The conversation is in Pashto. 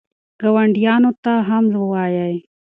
ګاونډیانو ته هم ووایئ.